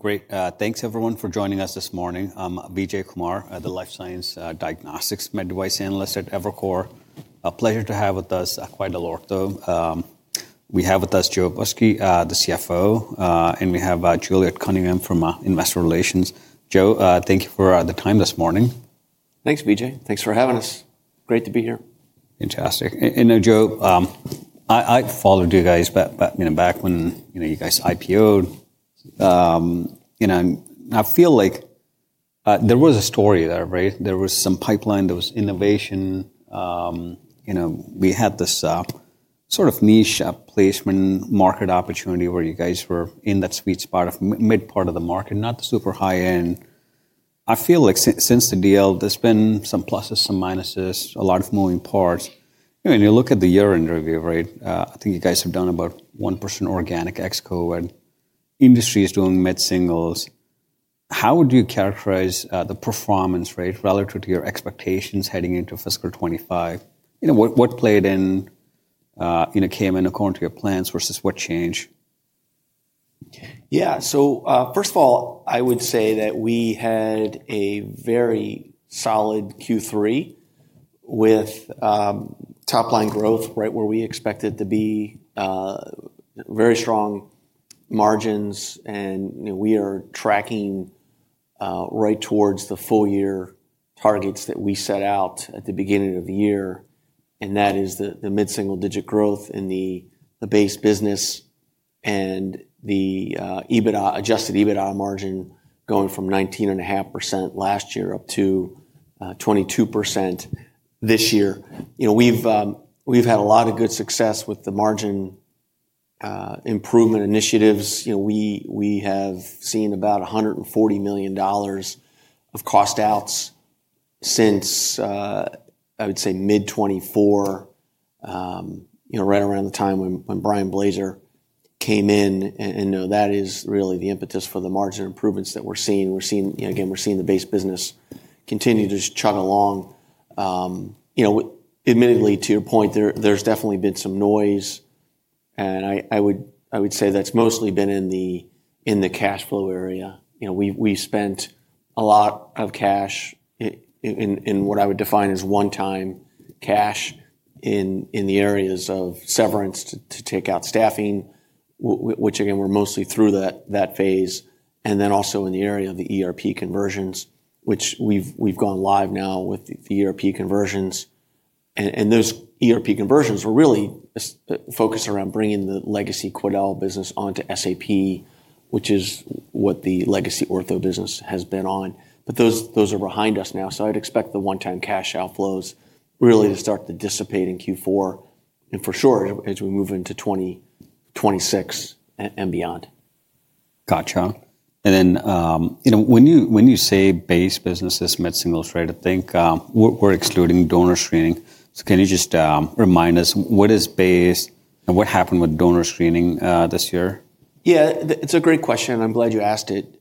Great. Thanks, everyone, for joining us this morning. I'm Vijay Kumar, the Life Science Diagnostics Med Device Analyst at Evercore. A pleasure to have with us quite a lot of. We have with us Joe Busky, the CFO, and we have Juliet Cunningham from Investor Relations. Joe, thank you for the time this morning. Thanks, Vijay. Thanks for having us. Great to be here. Fantastic. You know, Joe, I followed you guys back when you guys IPO'd. You know, I feel like there was a story there, right? There was some pipeline, there was innovation. You know, we had this sort of niche placement market opportunity where you guys were in that sweet spot of mid part of the market, not the super high-end. I feel like since the deal, there's been some pluses, some minuses, a lot of moving parts. When you look at the year-end review, right, I think you guys have done about 1% organic ex-COVID, and industry is doing mid-singles. How would you characterize the performance, right, relative to your expectations heading into fiscal 2025? You know, what played in, you know, came in according to your plans versus what changed? Yeah. First of all, I would say that we had a very solid Q3 with top line growth right where we expected to be, very strong margins. We are tracking right towards the full year targets that we set out at the beginning of the year. That is the mid-single digit growth in the base business and the adjusted EBITDA margin going from 19.5% last year up to 22% this year. You know, we've had a lot of good success with the margin improvement initiatives. You know, we have seen about $140 million of cost outs since, I would say, mid 2024, you know, right around the time when Brian Blaser came in. That is really the impetus for the margin improvements that we're seeing. We're seeing, again, we're seeing the base business continue to chug along. You know, admittedly, to your point, there's definitely been some noise. I would say that's mostly been in the cash flow area. You know, we spent a lot of cash in what I would define as one-time cash in the areas of severance to take out staffing, which again, we're mostly through that phase. Also, in the area of the ERP conversions, which we've gone live now with the ERP conversions. Those ERP conversions were really focused around bringing the legacy Quidel business onto SAP, which is what the legacy Ortho business has been on. Those are behind us now. I'd expect the one-time cash outflows really to start to dissipate in Q4 and for sure as we move into 2026 and beyond. Gotcha. You know, when you say base business is mid-singles, right, I think we're excluding donor screening. Can you just remind us what is base and what happened with donor screening this year? Yeah, it's a great question. I'm glad you asked it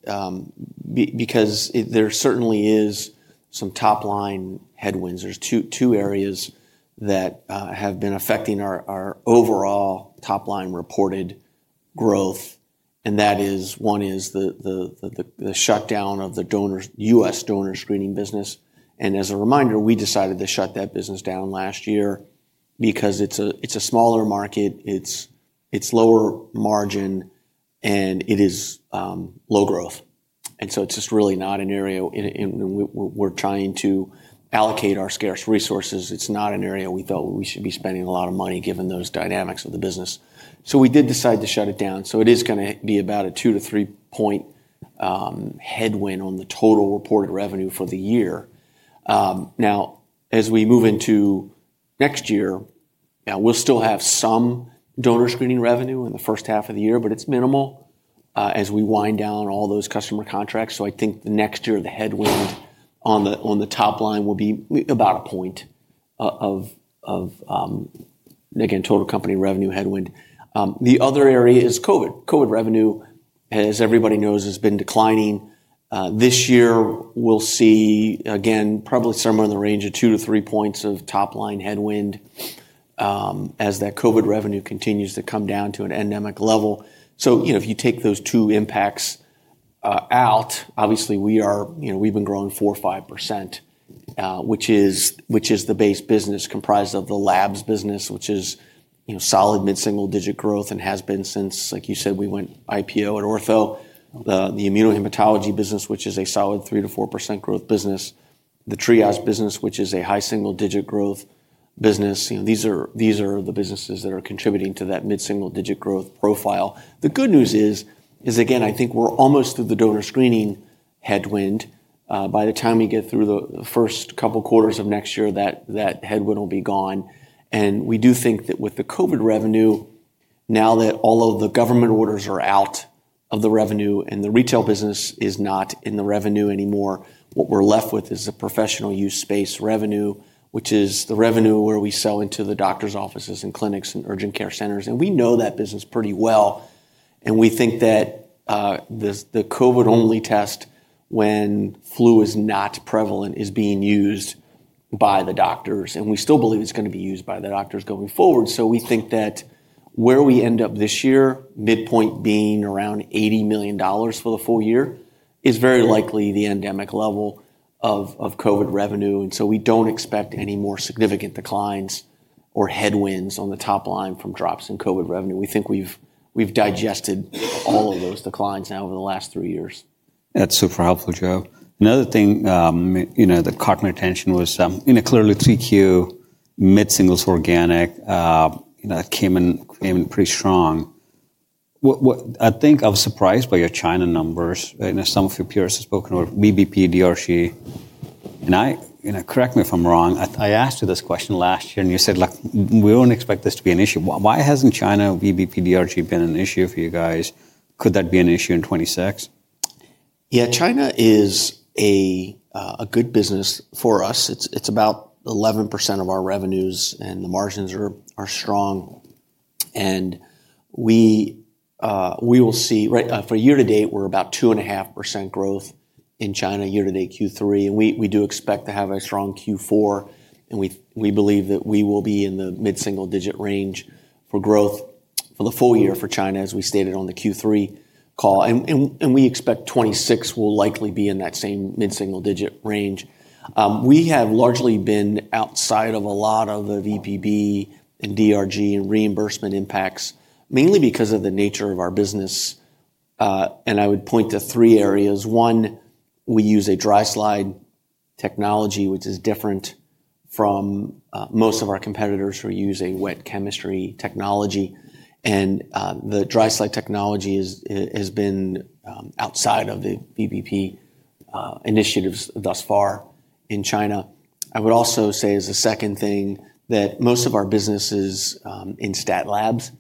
because there certainly is some top line headwinds. There's two areas that have been affecting our overall top line reported growth. That is, one is the shutdown of the U.S. donor screening business. As a reminder, we decided to shut that business down last year because it's a smaller market, it's lower margin, and it is low growth. It's just really not an area we're trying to allocate our scarce resources. It's not an area we thought we should be spending a lot of money given those dynamics of the business. We did decide to shut it down. It is going to be about a 2-3 point headwind on the total reported revenue for the year. Now, as we move into next year, we'll still have some donor screening revenue in the first half of the year, but it's minimal as we wind down all those customer contracts. I think the next year the headwind on the top line will be about a point of, again, total company revenue headwind. The other area is COVID. COVID revenue, as everybody knows, has been declining. This year we'll see again, probably somewhere in the range of 2-3 points of top line headwind as that COVID revenue continues to come down to an endemic level. You know, if you take those two impacts out, obviously we are, you know, we've been growing 4% or 5%, which is the base business comprised of the labs business, which is solid mid-single digit growth and has been since, like you said, we went IPO at Ortho. The Immunohematology business, which is a solid 3-4% growth business. The TRIAGE business, which is a high single digit growth business. You know, these are the businesses that are contributing to that mid-single digit growth profile. The good news is, again, I think we're almost through the Donor Screening headwind. By the time we get through the first couple quarters of next year, that headwind will be gone. We do think that with the COVID revenue, now that all of the government orders are out of the revenue and the retail business is not in the revenue anymore, what we're left with is a professional use space revenue, which is the revenue where we sell into the doctor's offices and clinics and urgent care centers. We know that business pretty well. We think that the COVID only test when flu is not prevalent is being used by the doctors. We still believe it's going to be used by the doctors going forward. We think that where we end up this year, midpoint being around $80 million for the full year, is very likely the endemic level of COVID revenue. We do not expect any more significant declines or headwinds on the top line from drops in COVID revenue. We think we've digested all of those declines now over the last three years. That's super helpful, Joe. Another thing, you know, that caught my attention was, you know, clearly three Q mid-singles organic, you know, that came in pretty strong. I think I was surprised by your China numbers. You know, some of your peers have spoken of VBP DRG. And I, you know, correct me if I'm wrong. I asked you this question last year and you said, look, we don't expect this to be an issue. Why hasn't China VBP DRG been an issue for you guys? Could that be an issue in 2026? Yeah, China is a good business for us. It's about 11% of our revenues and the margins are strong. We will see, right, for year to date, we're about 2.5% growth in China year to date Q3. We do expect to have a strong Q4. We believe that we will be in the mid-single digit range for growth for the full year for China, as we stated on the Q3 call. We expect 2026 will likely be in that same mid-single digit range. We have largely been outside of a lot of the VBP and DRG and reimbursement impacts, mainly because of the nature of our business. I would point to three areas. One, we use a dry slide technology, which is different from most of our competitors who use a wet chemistry technology. The dry slide technology has been outside of the VBP initiatives thus far in China. I would also say as a second thing that most of our businesses in stat labs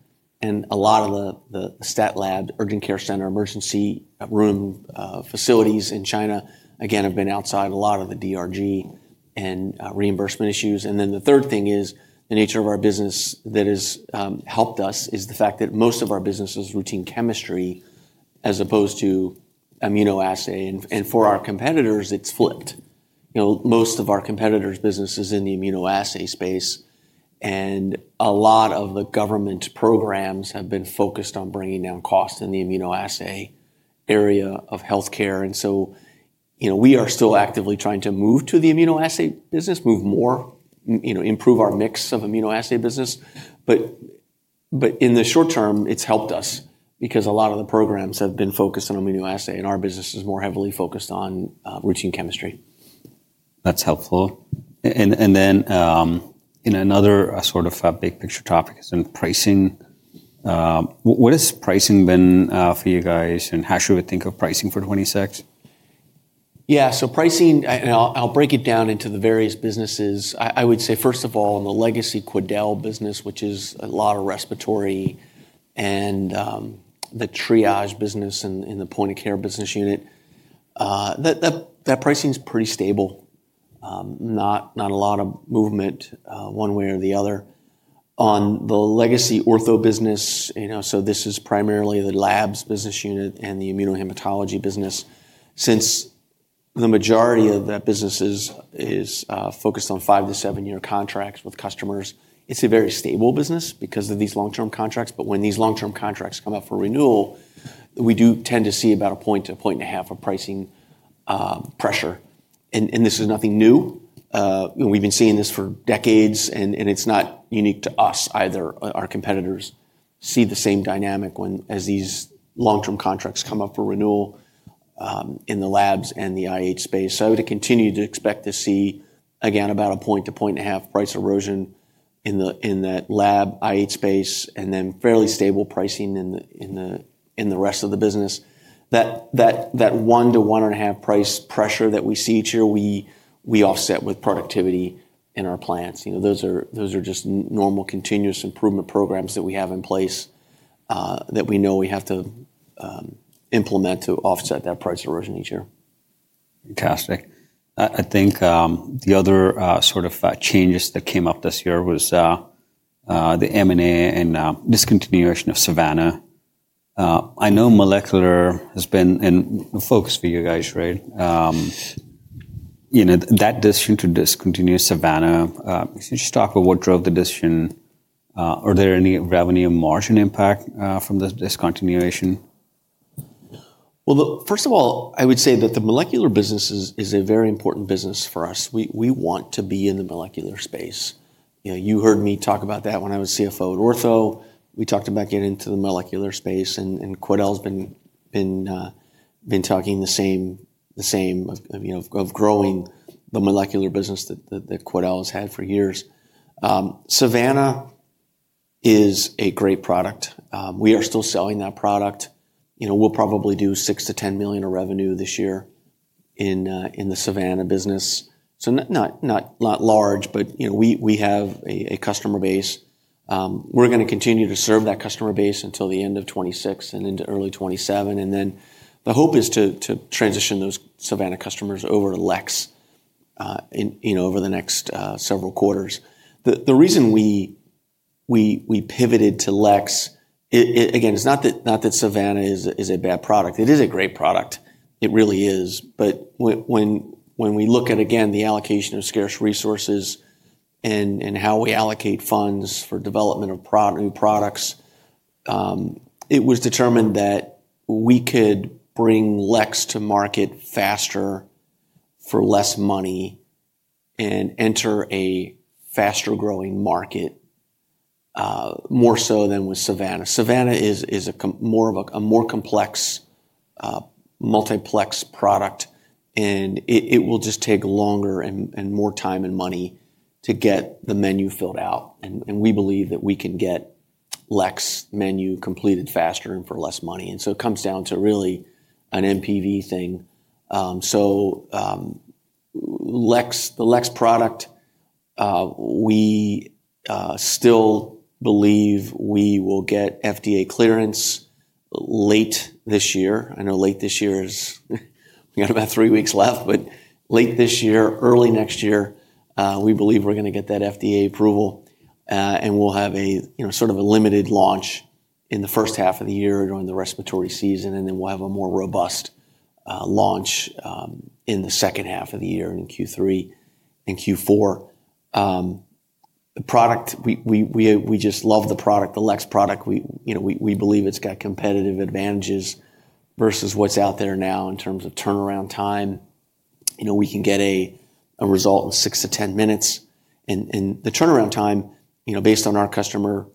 and a lot of the stat labs, urgent care center, emergency room facilities in China, again, have been outside a lot of the DRG and reimbursement issues. The third thing is the nature of our business that has helped us is the fact that most of our business is routine chemistry as opposed to immunoassay. For our competitors, it's flipped. You know, most of our competitors' business is in the immunoassay space. A lot of the government programs have been focused on bringing down costs in the immunoassay area of healthcare. You know, we are still actively trying to move to the immunoassay business, move more, you know, improve our mix of immunoassay business. In the short term, it's helped us because a lot of the programs have been focused on immunoassay and our business is more heavily focused on routine chemistry. That's helpful. In another sort of big picture topic is in pricing. What has pricing been for you guys and how should we think of pricing for 2026? Yeah, so pricing, and I'll break it down into the various businesses. I would say, first of all, in the legacy Quidel business, which is a lot of respiratory and the TRIAGE business and the point of care business unit, that pricing is pretty stable. Not a lot of movement one way or the other. On the legacy Ortho business, you know, so this is primarily the Labs business unit and the Immunohematology business. Since the majority of that business is focused on 5 to 7-year contracts with customers, it's a very stable business because of these long-term contracts. When these long-term contracts come up for renewal, we do tend to see about a point to a point and a half of pricing pressure. This is nothing new. We've been seeing this for decades and it's not unique to us either. Our competitors see the same dynamic as these long-term contracts come up for renewal in the labs and the IH space. I would continue to expect to see, again, about a point to point and a half price erosion in that lab IH space and then fairly stable pricing in the rest of the business. That one to one and a half price pressure that we see each year, we offset with productivity in our plants. You know, those are just normal continuous improvement programs that we have in place that we know we have to implement to offset that price erosion each year. Fantastic. I think the other sort of changes that came up this year was the M&A and discontinuation of SAVANNA. I know molecular has been in focus for you guys, right? You know, that decision to discontinue SAVANNA, if you just talk about what drove the decision, are there any revenue margin impact from the discontinuation? First of all, I would say that the molecular business is a very important business for us. We want to be in the molecular space. You know, you heard me talk about that when I was CFO at Ortho. We talked about getting into the molecular space and Quidel has been talking the same, you know, of growing the molecular business that Quidel has had for years. SAVANNA is a great product. We are still selling that product. You know, we'll probably do $6 million-$10 million of revenue this year in the SAVANNA business. Not large, but you know, we have a customer base. We're going to continue to serve that customer base until the end of 2026 and into early 2027. The hope is to transition those SAVANNA customers over to LEX, you know, over the next several quarters. The reason we pivoted to LEX, again, it's not that SAVANNA is a bad product. It is a great product. It really is. When we look at, again, the allocation of scarce resources and how we allocate funds for development of new products, it was determined that we could bring LEX to market faster for less money and enter a faster growing market more so than with SAVANNA. SAVANNA is more of a more complex, multiplex product. It will just take longer and more time and money to get the menu filled out. We believe that we can get the LEX menu completed faster and for less money. It comes down to really an NPV thing. The LEX product, we still believe we will get FDA clearance late this year. I know late this year is, we got about three weeks left, but late this year, early next year, we believe we're going to get that FDA approval. We'll have a sort of a limited launch in the first half of the year during the respiratory season. We'll have a more robust launch in the second half of the year in Q3 and Q4. The product, we just love the product, the LEX product. You know, we believe it's got competitive advantages versus what's out there now in terms of turnaround time. You know, we can get a result in six to 10 minutes. The turnaround time, you know, based on our customer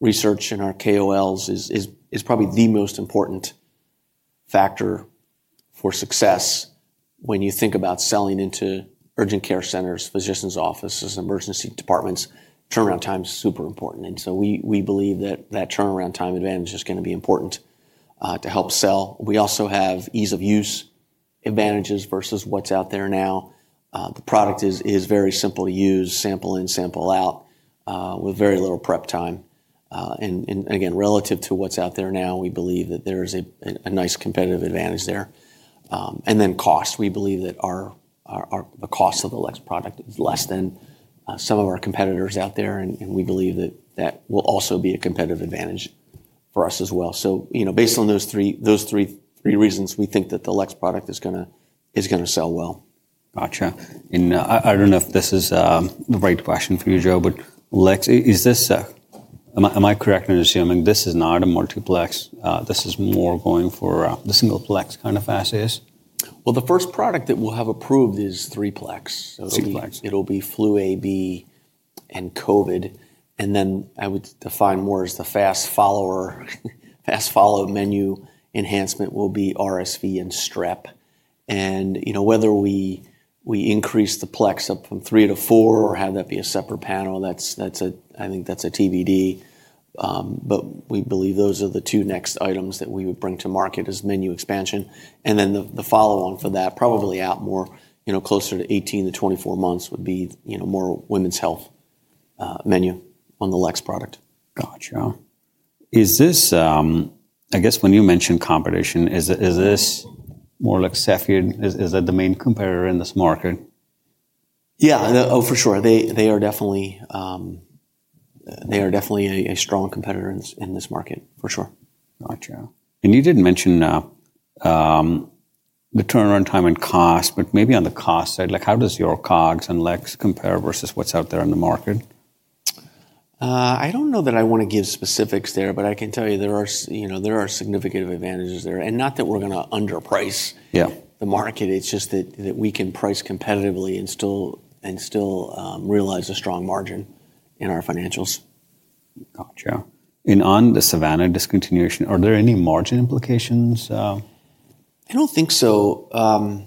research and our KOLs, is probably the most important factor for success when you think about selling into urgent care centers, physicians' offices, emergency departments. Turnaround time is super important. We believe that that turnaround time advantage is going to be important to help sell. We also have ease of use advantages versus what's out there now. The product is very simple to use, sample in, sample out with very little prep time. Again, relative to what's out there now, we believe that there is a nice competitive advantage there. We believe that the cost of the LEX product is less than some of our competitors out there. We believe that that will also be a competitive advantage for us as well. You know, based on those three reasons, we think that the LEX product is going to sell well. Gotcha. I do not know if this is the right question for you, Joe, but LEX is this, am I correct in assuming this is not a multiplex? This is more going for the single plex kind of assays? The first product that we'll have approved is three-plex. It'll be Flu A, B, and COVID. I would define more as the fast follower, fast follow menu enhancement will be RSV and strep. You know, whether we increase the plex up from three to four or have that be a separate panel, that's, I think that's a TBD. We believe those are the two next items that we would bring to market as menu expansion. The follow on for that, probably out more, you know, closer to 18 to 24 months would be, you know, more women's health menu on the LEX product. Gotcha. Is this, I guess when you mentioned competition, is this more like Cepheid? Is that the main competitor in this market? Yeah, for sure. They are definitely, they are definitely a strong competitor in this market, for sure. Gotcha. You did not mention the turnaround time and cost, but maybe on the cost side, like how does your COGS and LEX compare versus what is out there in the market? I don't know that I want to give specifics there, but I can tell you there are, you know, there are significant advantages there. Not that we're going to underprice the market. It's just that we can price competitively and still realize a strong margin in our financials. Gotcha. On the SAVANNA discontinuation, are there any margin implications? I don't think so.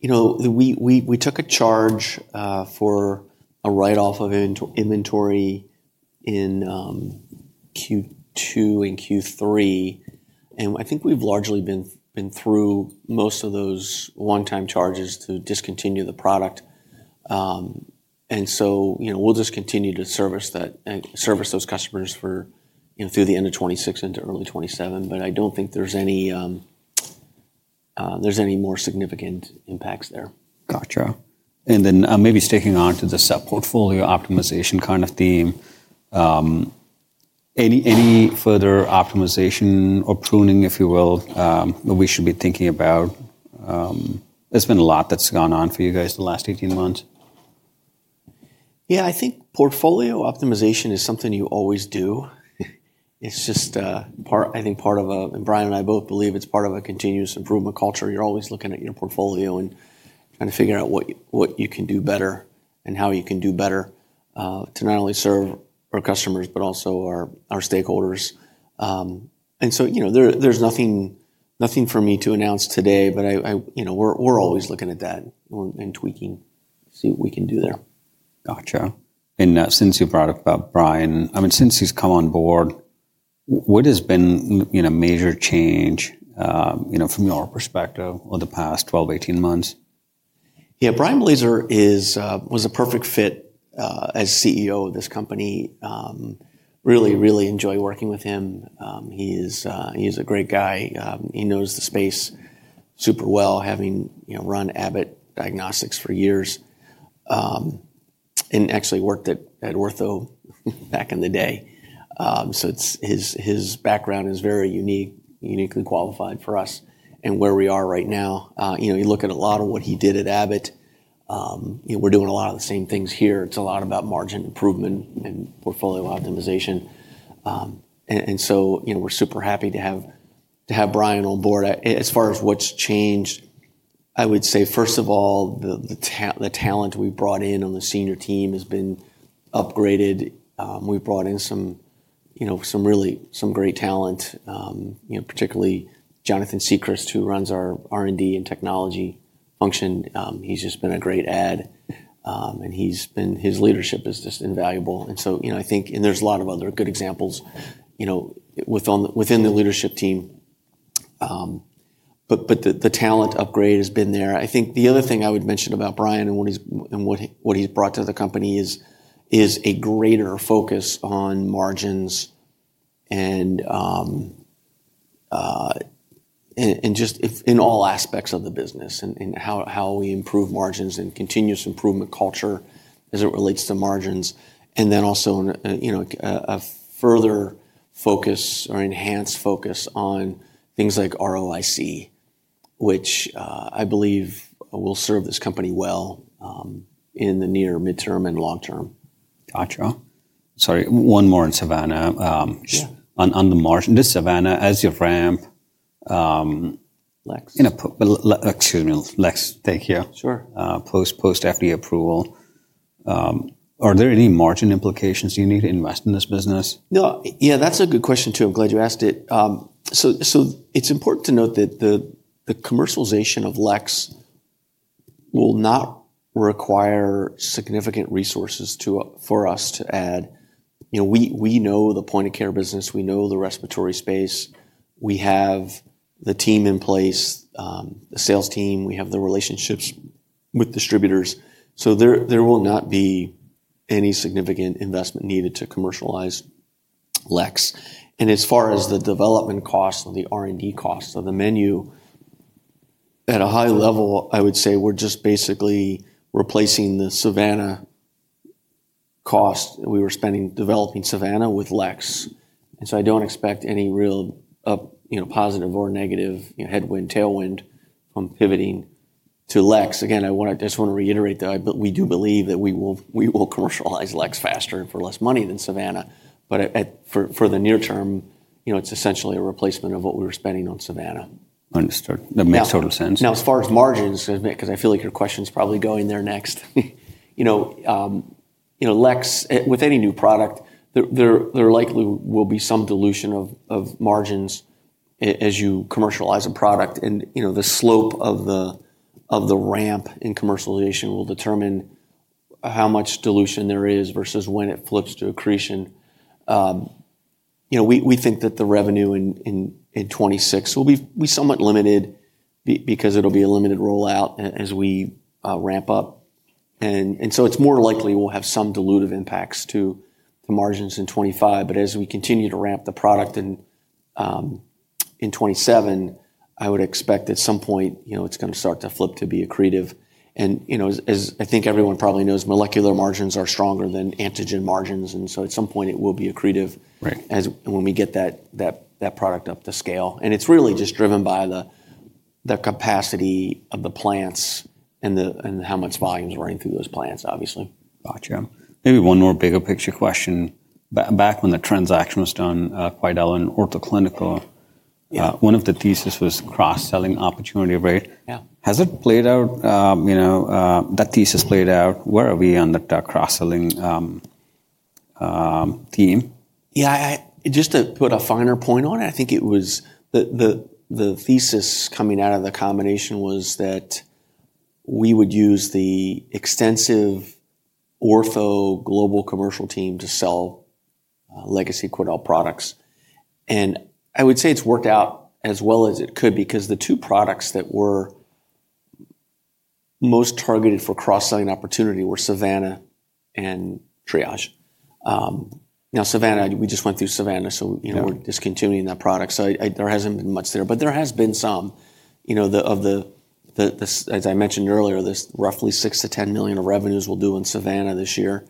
You know, we took a charge for a write-off of inventory in Q2 and Q3. I think we've largely been through most of those one-time charges to discontinue the product. You know, we'll just continue to service those customers through the end of 2026 into early 2027. I don't think there's any more significant impacts there. Gotcha. Maybe sticking on to the sub-portfolio optimization kind of theme, any further optimization or pruning, if you will, that we should be thinking about? There has been a lot that has gone on for you guys the last 18 months. Yeah, I think portfolio optimization is something you always do. It's just part, I think part of a, and Brian and I both believe it's part of a continuous improvement culture. You're always looking at your portfolio and trying to figure out what you can do better and how you can do better to not only serve our customers, but also our stakeholders. You know, there's nothing for me to announce today, but I, you know, we're always looking at that and tweaking, see what we can do there. Gotcha. Since you brought up Brian, I mean, since he's come on board, what has been a major change, you know, from your perspective of the past 12, 18 months? Yeah, Brian Blaser was a perfect fit as CEO of this company. Really, really enjoyed working with him. He's a great guy. He knows the space super well, having run Abbott Diagnostics for years and actually worked at Ortho back in the day. So his background is very unique, uniquely qualified for us and where we are right now. You know, you look at a lot of what he did at Abbott. We're doing a lot of the same things here. It's a lot about margin improvement and portfolio optimization. You know, we're super happy to have Brian on board. As far as what's changed, I would say, first of all, the talent we've brought in on the senior team has been upgraded. We've brought in some, you know, some really, some great talent, you know, particularly Jonathan Siegrist, who runs our R&D and technology function. He's just been a great add. And he's been, his leadership is just invaluable. You know, I think, and there's a lot of other good examples, you know, within the leadership team. But the talent upgrade has been there. I think the other thing I would mention about Brian and what he's brought to the company is a greater focus on margins and just in all aspects of the business and how we improve margins and continuous improvement culture as it relates to margins. You know, a further focus or enhanced focus on things like ROIC, which I believe will serve this company well in the near midterm and long-term. Gotcha. Sorry, one more on SAVANNA. On the margin, this SAVANNA as you ramp. LEX. LEX, thank you. Sure. Post FDA approval. Are there any margin implications you need to invest in this business? Yeah, that's a good question too. I'm glad you asked it. It's important to note that the commercialization of LEX will not require significant resources for us to add. You know, we know the point of care business. We know the respiratory space. We have the team in place, the sales team. We have the relationships with distributors. There will not be any significant investment needed to commercialize LEX. As far as the development costs and the R&D costs of the menu, at a high level, I would say we're just basically replacing the SAVANNA cost we were spending developing SAVANNA with LEX. I don't expect any real, you know, positive or negative headwind, tailwind from pivoting to LEX. Again, I just want to reiterate that we do believe that we will commercialize LEX faster and for less money than SAVANNA. For the near term, you know, it's essentially a replacement of what we were spending on SAVANNA. Understood. That makes total sense. Now, as far as margins, because I feel like your question's probably going there next. You know, LEX, with any new product, there likely will be some dilution of margins as you commercialize a product. You know, the slope of the ramp in commercialization will determine how much dilution there is versus when it flips to accretion. You know, we think that the revenue in 2026 will be somewhat limited because it'll be a limited rollout as we ramp up. It is more likely we'll have some dilutive impacts to the margins in 2025. As we continue to ramp the product in 2027, I would expect at some point, you know, it's going to start to flip to be accretive. You know, as I think everyone probably knows, molecular margins are stronger than antigen margins. At some point, it will be accretive when we get that product up to scale. It is really just driven by the capacity of the plants and how much volume is running through those plants, obviously. Gotcha. Maybe one more bigger picture question. Back when the transaction was done, Quidel and Ortho Clinical, one of the theses was cross-selling opportunity, right? Has it played out, you know, that thesis played out? Where are we on the cross-selling theme? Yeah, just to put a finer point on it, I think it was the thesis coming out of the combination was that we would use the extensive Ortho global commercial team to sell legacy Quidel products. I would say it's worked out as well as it could because the two products that were most targeted for cross-selling opportunity were SAVANNA and TRIAGE. Now, SAVANNA, we just went through SAVANNA. You know, we're discontinuing that product. There hasn't been much there. There has been some, you know, of the, as I mentioned earlier, this roughly $6 million-$10 million of revenues we'll do in SAVANNA this year.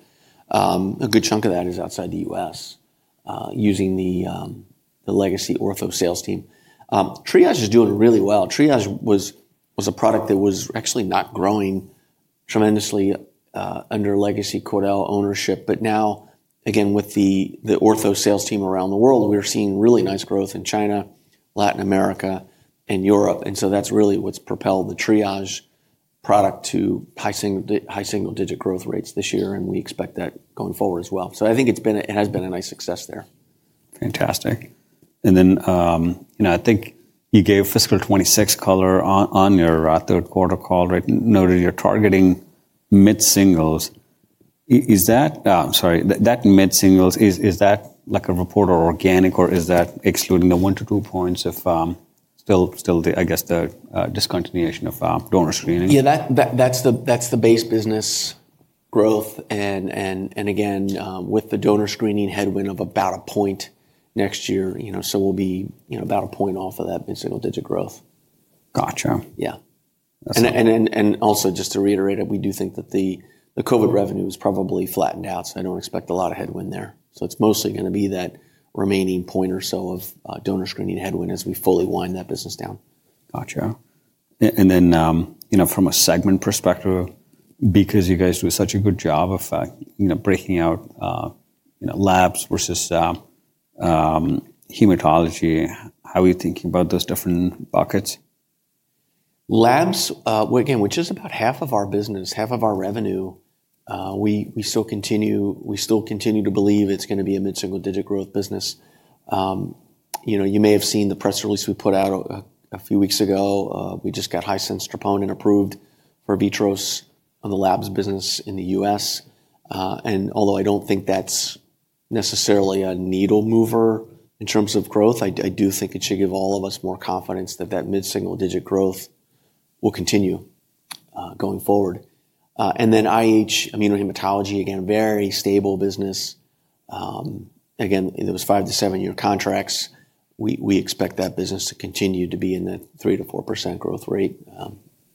A good chunk of that is outside the U.S. using the legacy Ortho sales team. TRIAGE is doing really well. TRIAGE was a product that was actually not growing tremendously under legacy Quidel ownership. Now, again, with the Ortho sales team around the world, we're seeing really nice growth in China, Latin America, and Europe. That's really what's propelled the TRIAGE product to high single-digit growth rates this year. We expect that going forward as well. I think it has been a nice success there. Fantastic. You know, I think you gave fiscal 2026 color on your third quarter call, right? Noted you're targeting mid-singles. Is that, sorry, that mid-singles, is that like a report or organic, or is that excluding the one to two points of still, I guess, the discontinuation of donor screening? Yeah, that's the base business growth. You know, with the donor screening headwind of about a point next year, you know, so we'll be about a point off of that mid-single digit growth. Gotcha. Yeah. Also, just to reiterate it, we do think that the COVID revenue has probably flattened out. I do not expect a lot of headwind there. It is mostly going to be that remaining point or so of donor screening headwind as we fully wind that business down. Gotcha. You know, from a segment perspective, because you guys do such a good job of breaking out labs versus hematology, how are you thinking about those different buckets? Labs, again, which is about half of our business, half of our revenue, we still continue to believe it's going to be a mid-single digit growth business. You know, you may have seen the press release we put out a few weeks ago. We just got High Sensitivity Troponin approved for VITROS on the Labs business in the U.S. Although I don't think that's necessarily a needle mover in terms of growth, I do think it should give all of us more confidence that that mid-single digit growth will continue going forward. IH, immunohematology, again, very stable business. Again, there were 5 to 7-year contracts. We expect that business to continue to be in the 3%-4% growth rate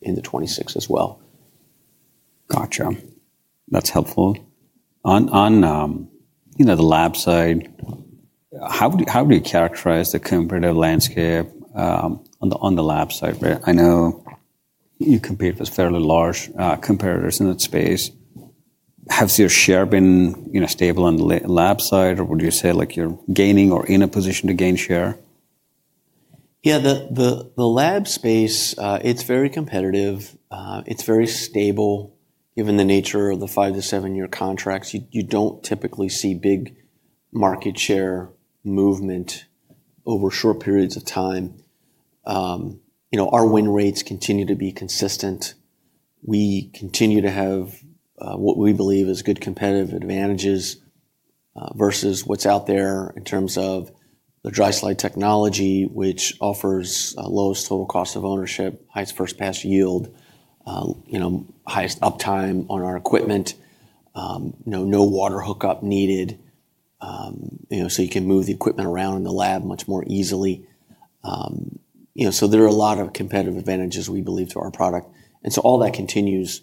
in 2026 as well. Gotcha. That's helpful. On, you know, the lab side, how would you characterize the competitive landscape on the lab side, right? I know you compete with fairly large competitors in that space. Has your share been stable on the lab side, or would you say like you're gaining or in a position to gain share? Yeah, the lab space, it's very competitive. It's very stable. Given the nature of the 5 to 7-year contracts, you don't typically see big market share movement over short periods of time. You know, our win rates continue to be consistent. We continue to have what we believe is good competitive advantages versus what's out there in terms of the dry slide technology, which offers lowest total cost of ownership, highest first pass yield, you know, highest uptime on our equipment, no water hookup needed, you know, so you can move the equipment around in the lab much more easily. You know, so there are a lot of competitive advantages we believe to our product. And so all that continues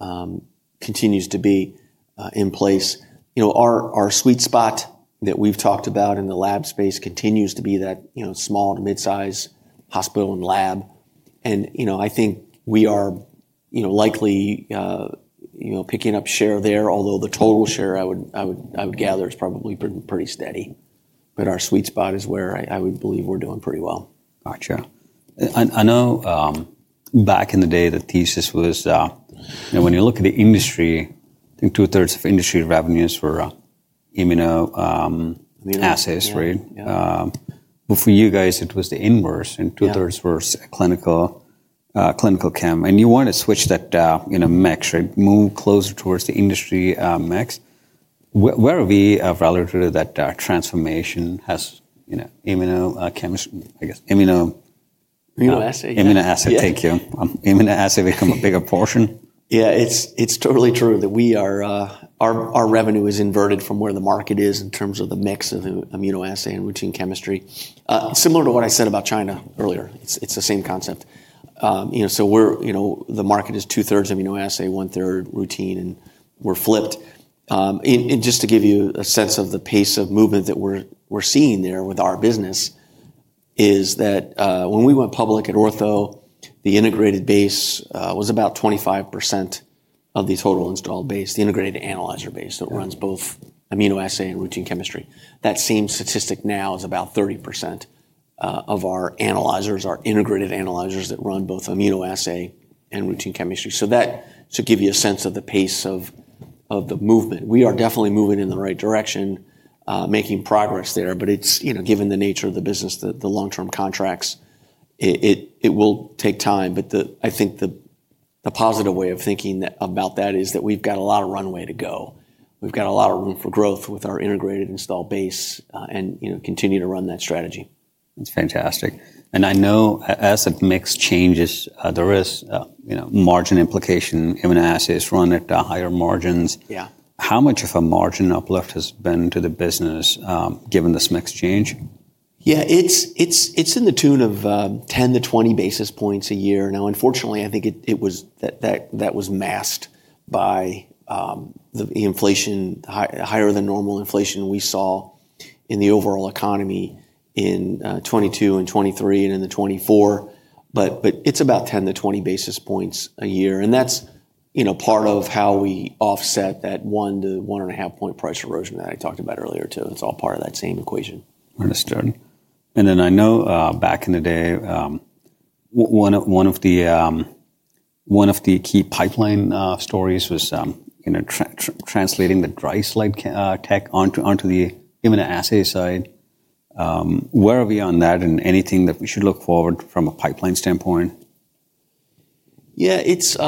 to be in place. You know, our sweet spot that we've talked about in the lab space continues to be that, you know, small to mid-size hospital and lab. You know, I think we are, you know, likely, you know, picking up share there, although the total share I would gather is probably pretty steady. Our sweet spot is where I would believe we're doing pretty well. Gotcha. I know back in the day the thesis was, you know, when you look at the industry, I think two-thirds of industry revenues were immunoassays, right? But for you guys, it was the inverse and two-thirds were clinical chem. And you want to switch that, you know, mix, right? Move closer towards the industry mix. Where are we relative to that transformation has, you know, immunochemistry, I guess, immuno? Immunoassay. Immunoassay, thank you. Immunoassay become a bigger portion? Yeah, it's totally true that our revenue is inverted from where the market is in terms of the mix of immunoassay and routine chemistry. Similar to what I said about China earlier, it's the same concept. You know, so we're, you know, the market is two-thirds immunoassay, one-third routine, and we're flipped. And just to give you a sense of the pace of movement that we're seeing there with our business is that when we went public at Ortho, the integrated base was about 25% of the total installed base, the integrated analyzer base that runs both immunoassay and routine chemistry. That same statistic now is about 30% of our analyzers, our integrated analyzers that run both immunoassay and routine chemistry. That should give you a sense of the pace of the movement. We are definitely moving in the right direction, making progress there. It's, you know, given the nature of the business, the long-term contracts, it will take time. I think the positive way of thinking about that is that we've got a lot of runway to go. We've got a lot of room for growth with our integrated install base and, you know, continue to run that strategy. That's fantastic. I know as it makes changes, there is, you know, margin implication, immunoassays run at higher margins. How much of a margin uplift has been to the business given this mixed change? Yeah, it's in the tune of 10 to 20 basis points a year. Now, unfortunately, I think that was masked by the inflation, higher than normal inflation we saw in the overall economy in 2022 and 2023 and in 2024. But it's about 10 to 20 basis points a year. And that's, you know, part of how we offset that one-to-one-and-a-half-point price erosion that I talked about earlier too. It's all part of that same equation. Understood. I know back in the day, one of the key pipeline stories was, you know, translating the dry slide tech onto the immunoassay side. Where are we on that and anything that we should look forward from a pipeline standpoint? Yeah, it's, you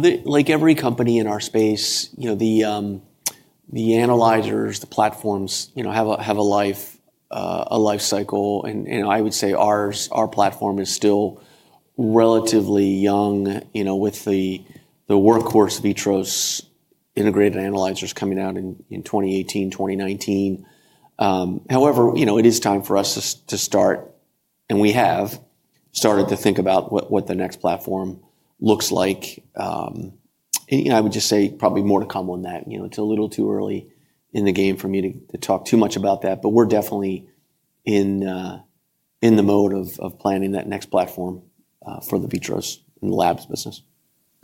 know, like every company in our space, you know, the analyzers, the platforms, you know, have a life, a life cycle. I would say our platform is still relatively young, you know, with the workhorse VITROS integrated analyzers coming out in 2018, 2019. However, you know, it is time for us to start, and we have started to think about what the next platform looks like. I would just say probably more to come on that. You know, it's a little too early in the game for me to talk too much about that. We're definitely in the mode of planning that next platform for the VITROS and the Labs business.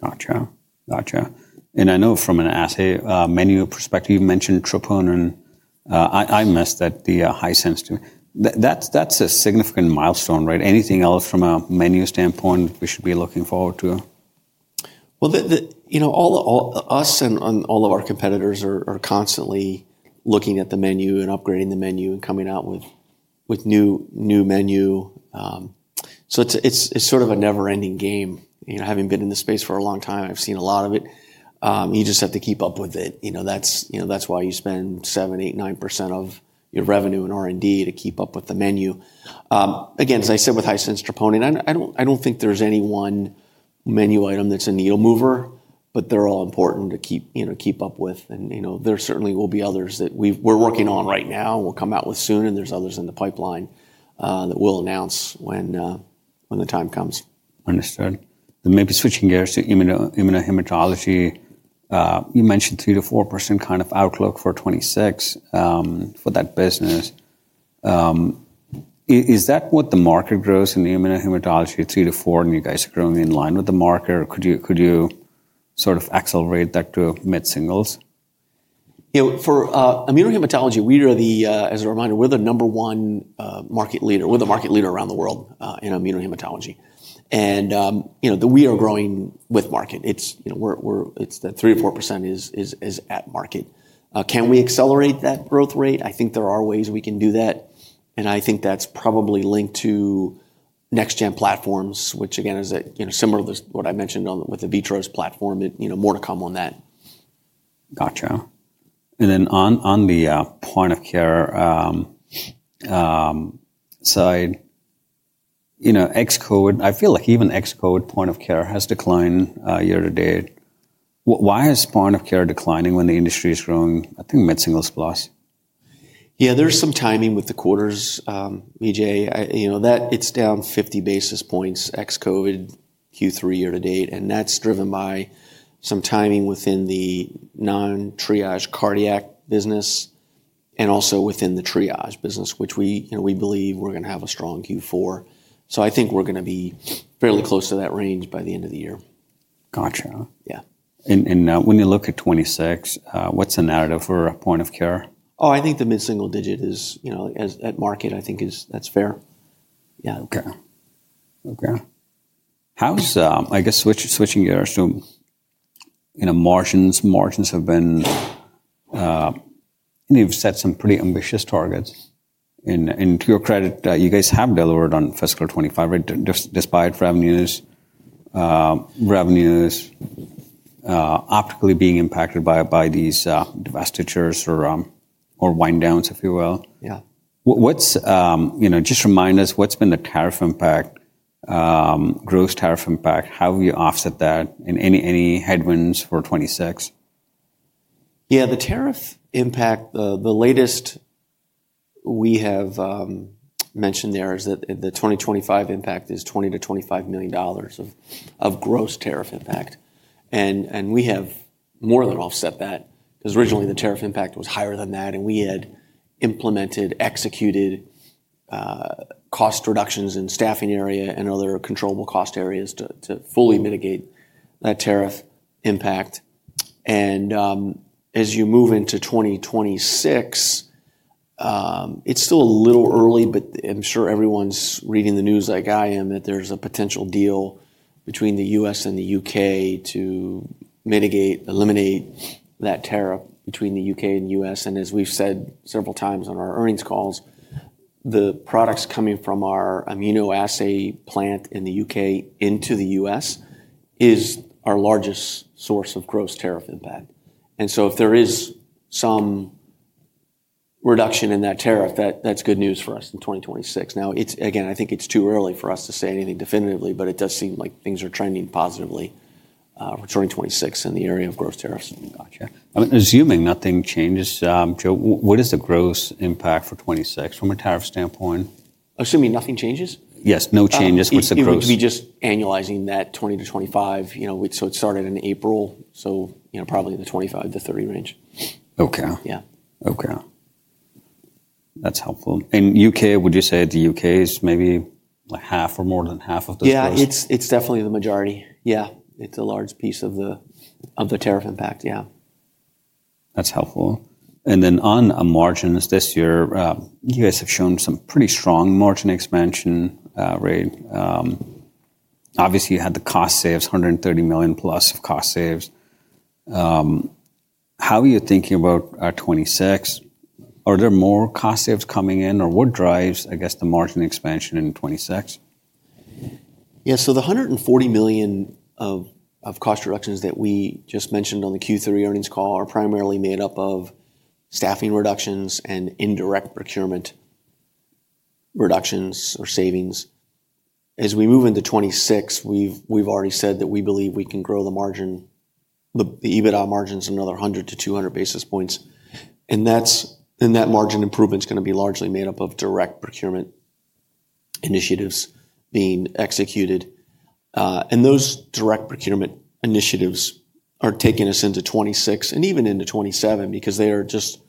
Gotcha. Gotcha. I know from an assay menu perspective, you mentioned troponin. I missed that, the High Sensitivity Troponin too. That is a significant milestone, right? Anything else from a menu standpoint we should be looking forward to? You know, all of us and all of our competitors are constantly looking at the menu and upgrading the menu and coming out with new menu. It is sort of a never-ending game. You know, having been in the space for a long time, I have seen a lot of it. You just have to keep up with it. You know, that is why you spend 7%, 8%, 9% of your revenue in R&D to keep up with the menu. Again, as I said with High Sensitivity Troponin, I do not think there is any one menu item that is a needle mover, but they are all important to keep up with. You know, there certainly will be others that we are working on right now and we will come out with soon. There are others in the pipeline that we will announce when the time comes. Understood. Maybe switching gears to immunohematology, you mentioned 3-4% kind of outlook for 2026 for that business. Is that what the market grows in immunohematology, 3-4%, and you guys are growing in line with the market? Could you sort of accelerate that to mid-singles? You know, for immunohematology, we are the, as a reminder, we're the number one market leader. We're the market leader around the world in immunohematology. You know, we are growing with market. It's, you know, it's that 3%-4% is at market. Can we accelerate that growth rate? I think there are ways we can do that. I think that's probably linked to next-gen platforms, which again is similar to what I mentioned with the VITROS platform, you know, more to come on that. Gotcha. And then on the point of care side, you know, ex-COVID, I feel like even ex-COVID point of care has declined year to date. Why is point of care declining when the industry is growing, I think mid-singles plus? Yeah, there's some timing with the quarters, Vijay. You know, that it's down 50 basis points ex-COVID Q3 year to date. And that's driven by some timing within the non-TRIAGE cardiac business and also within the TRIAGE business, which we believe we're going to have a strong Q4. I think we're going to be fairly close to that range by the end of the year. Gotcha. Yeah. When you look at 2026, what's the narrative for point of care? Oh, I think the mid-single digit is, you know, at market, I think that's fair. Yeah. Okay. Okay. How's, I guess, switching gears to, you know, margins, margins have been, you've set some pretty ambitious targets. And to your credit, you guys have delivered on fiscal 2025, right? Despite revenues, revenues optically being impacted by these divestitures or wind downs, if you will. Yeah. What's, you know, just remind us what's been the tariff impact, gross tariff impact, how have you offset that and any headwinds for 2026? Yeah, the tariff impact, the latest we have mentioned there is that the 2025 impact is $20 million-$25 million of gross tariff impact. We have more than offset that because originally the tariff impact was higher than that. We had implemented, executed cost reductions in staffing area and other controllable cost areas to fully mitigate that tariff impact. As you move into 2026, it's still a little early, but I'm sure everyone's reading the news like I am that there's a potential deal between the U.S. and the U.K. to mitigate, eliminate that tariff between the U.K. and the U.S. As we've said several times on our earnings calls, the products coming from our immunoassay plant in the U.K. into the U.S. is our largest source of gross tariff impact. If there is some reduction in that tariff, that's good news for us in 2026. Now, again, I think it's too early for us to say anything definitively, but it does seem like things are trending positively for 2026 in the area of gross tariffs. Gotcha. I'm assuming nothing changes, Joe. What is the gross impact for '26 from a tariff standpoint? Assuming nothing changes? Yes, no changes. What's the gross? I think we'd be just annualizing that $20 to $25, you know, so it started in April, you know, probably in the $25-$30 range. Okay. Yeah. Okay. That's helpful. U.K., would you say the U.K. is maybe half or more than half of the gross? Yeah, it's definitely the majority. Yeah, it's a large piece of the tariff impact. Yeah. That's helpful. On a marginist this year, you guys have shown some pretty strong margin expansion, right? Obviously, you had the cost saves, $130 million plus of cost saves. How are you thinking about '26? Are there more cost saves coming in or what drives, I guess, the margin expansion in '26? Yeah, so the $140 million of cost reductions that we just mentioned on the Q3 earnings call are primarily made up of staffing reductions and indirect procurement reductions or savings. As we move into 2026, we've already said that we believe we can grow the margin, the EBITDA margins another 100 to 200 basis points. That margin improvement is going to be largely made up of direct procurement initiatives being executed. Those direct procurement initiatives are taking us into 2026 and even into 2027 because they are just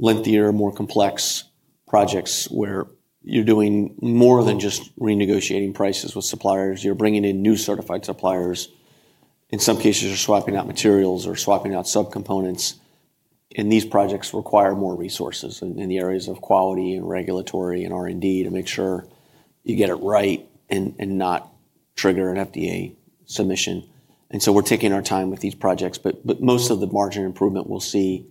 lengthier, more complex projects where you're doing more than just renegotiating prices with suppliers. You're bringing in new certified suppliers. In some cases, you're swapping out materials or swapping out subcomponents. These projects require more resources in the areas of quality and regulatory and R&D to make sure you get it right and not trigger an FDA submission. We're taking our time with these projects. Most of the margin improvement we'll see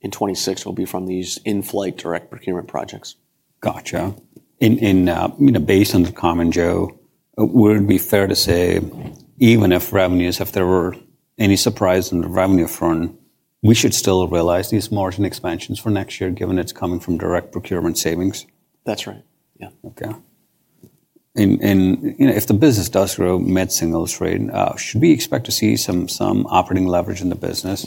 in 2026 will be from these in-flight direct procurement projects. Gotcha. Based on the comment, Joe, would it be fair to say even if revenues, if there were any surprise in the revenue front, we should still realize these margin expansions for next year given it's coming from direct procurement savings? That's right. Yeah. Okay. If the business does grow mid-singles rate, should we expect to see some operating leverage in the business?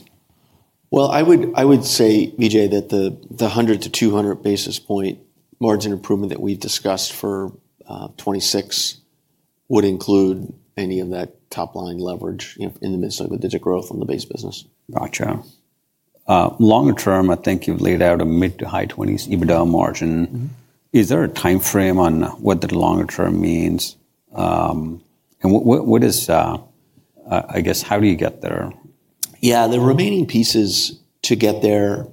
I would say, Vijay, that the 100-200 basis point margin improvement that we've discussed for 2026 would include any of that top line leverage in the mid-single digit growth on the base business. Gotcha. Longer term, I think you've laid out a mid to high 20s EBITDA margin. Is there a timeframe on what the longer term means? What is, I guess, how do you get there? Yeah, the remaining pieces to get there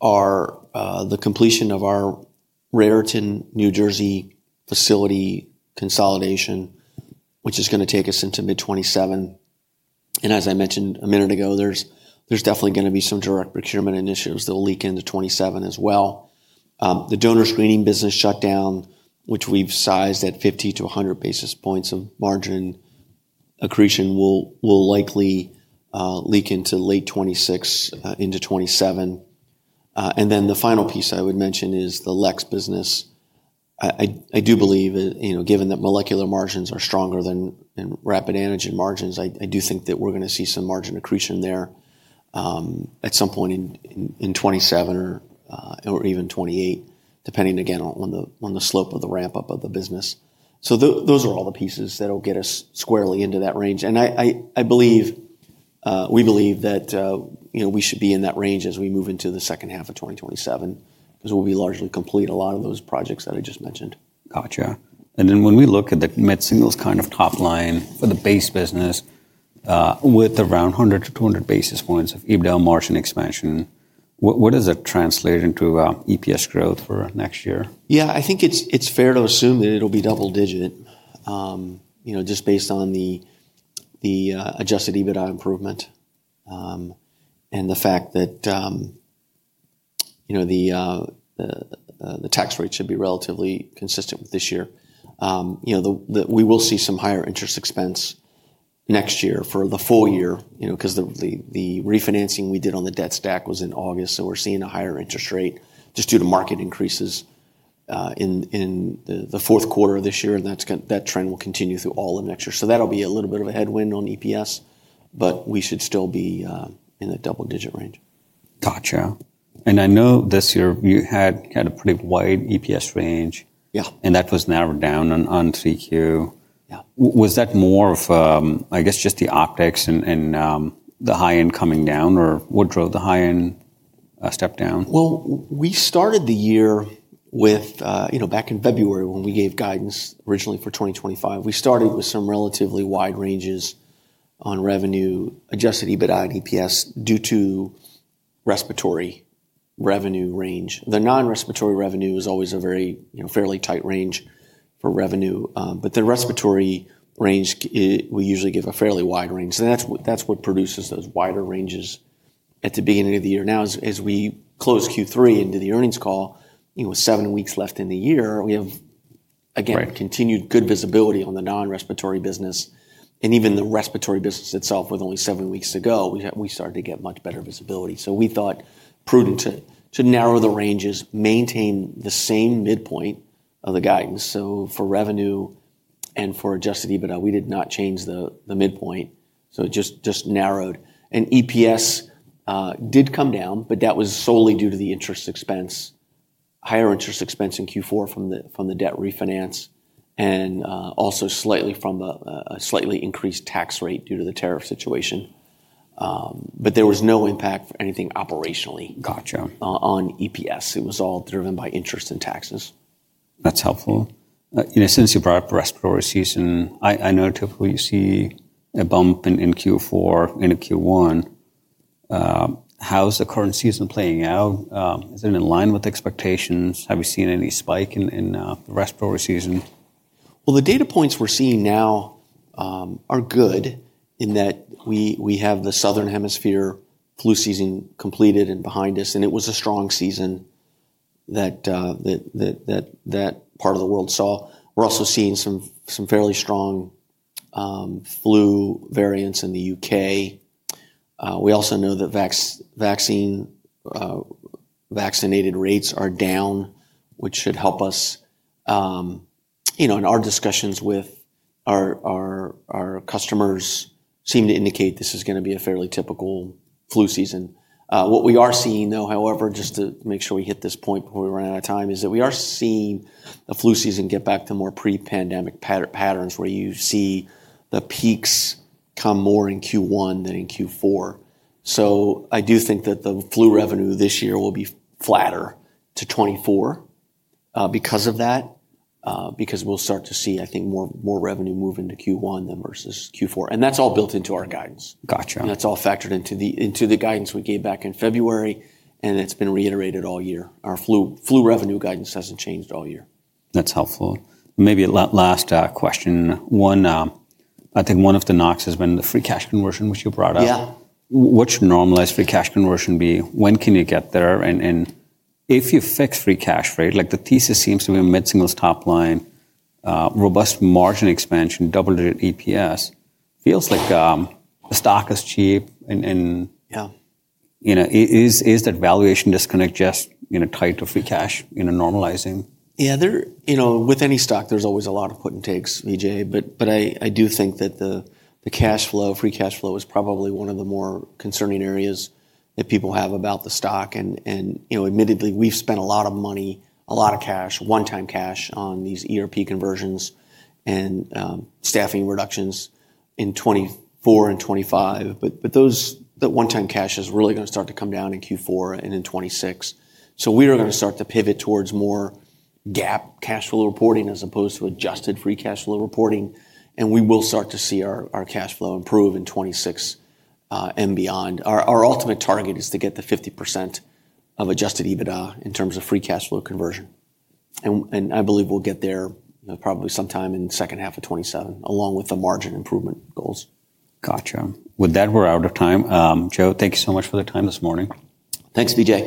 are the completion of our Raritan, New Jersey facility consolidation, which is going to take us into mid-2027. As I mentioned a minute ago, there's definitely going to be some direct procurement initiatives that will leak into 2027 as well. The donor screening business shutdown, which we've sized at 50 to 100 basis points of margin accretion, will likely leak into late 2026 into 2027. The final piece I would mention is the LEX business. I do believe, you know, given that molecular margins are stronger than rapid antigen margins, I do think that we're going to see some margin accretion there at some point in 2027 or even 2028, depending again on the slope of the ramp up of the business. Those are all the pieces that will get us squarely into that range. I believe, we believe that, you know, we should be in that range as we move into the second half of 2027 because we'll be largely complete a lot of those projects that I just mentioned. Gotcha. When we look at the mid-singles kind of top line for the base business with around 100 to 200 basis points of EBITDA margin expansion, what does that translate into EPS growth for next year? Yeah, I think it's fair to assume that it'll be double-digit, you know, just based on the adjusted EBITDA improvement and the fact that, you know, the tax rate should be relatively consistent with this year. You know, we will see some higher interest expense next year for the full year, you know, because the refinancing we did on the debt stack was in August. We are seeing a higher interest rate just due to market increases in the fourth quarter of this year. That trend will continue through all of next year. That'll be a little bit of a headwind on EPS, but we should still be in the double-digit range. Gotcha. I know this year you had a pretty wide EPS range. Yeah. That was narrowed down on 3Q. Yeah. Was that more of, I guess, just the optics and the high-end coming down, or what drove the high-end step down? We started the year with, you know, back in February when we gave guidance originally for 2025, we started with some relatively wide ranges on revenue, adjusted EBITDA and EPS due to respiratory revenue range. The non-respiratory revenue is always a very, you know, fairly tight range for revenue. The respiratory range, we usually give a fairly wide range. That is what produces those wider ranges at the beginning of the year. Now, as we close Q3 into the earnings call, you know, with seven weeks left in the year, we have, again, continued good visibility on the non-respiratory business. Even the respiratory business itself, with only seven weeks to go, we started to get much better visibility. We thought prudent to narrow the ranges, maintain the same midpoint of the guidance. For revenue and for adjusted EBITDA, we did not change the midpoint. It just narrowed. EPS did come down, but that was solely due to the interest expense, higher interest expense in Q4 from the debt refinance and also slightly from a slightly increased tax rate due to the tariff situation. There was no impact for anything operationally. Gotcha. On EPS. It was all driven by interest and taxes. That's helpful. You know, since you brought up respiratory season, I noted where you see a bump in Q4 and in Q1. How's the current season playing out? Is it in line with expectations? Have you seen any spike in the respiratory season? The data points we're seeing now are good in that we have the southern hemisphere flu season completed and behind us. It was a strong season that part of the world saw. We're also seeing some fairly strong flu variants in the U.K. We also know that vaccinated rates are down, which should help us. You know, in our discussions with our customers, seem to indicate this is going to be a fairly typical flu season. What we are seeing, though, however, just to make sure we hit this point before we run out of time, is that we are seeing the flu season get back to more pre-pandemic patterns where you see the peaks come more in Q1 than in Q4. I do think that the flu revenue this year will be flatter to 2024 because of that, because we'll start to see, I think, more revenue move into Q1 than versus Q4. And that's all built into our guidance. Gotcha. That is all factored into the guidance we gave back in February. It has been reiterated all year. Our flu revenue guidance has not changed all year. That's helpful. Maybe last question. One, I think one of the knocks has been the free cash conversion, which you brought up. Yeah. What should normalize free cash conversion be? When can you get there? If you fix free cash rate, like the thesis seems to be a mid-singles top line, robust margin expansion, double-digit EPS, feels like the stock is cheap. You know, is that valuation disconnect just, you know, tied to free cash, you know, normalizing? Yeah, there, you know, with any stock, there's always a lot of put and takes, Vijay. I do think that the cash flow, free cash flow is probably one of the more concerning areas that people have about the stock. You know, admittedly, we've spent a lot of money, a lot of cash, one-time cash on these ERP conversions and staffing reductions in 2024 and 2025. Those one-time cash is really going to start to come down in Q4 and in 2026. We are going to start to pivot towards more GAAP cash flow reporting as opposed to adjusted free cash flow reporting. We will start to see our cash flow improve in 2026 and beyond. Our ultimate target is to get the 50% of adjusted EBITDA in terms of free cash flow conversion. I believe we'll get there probably sometime in the second half of 2027, along with the margin improvement goals. Gotcha. With that, we're out of time. Joe, thank you so much for the time this morning. Thanks, Vijay.